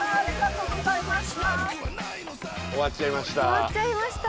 終わっちゃいました。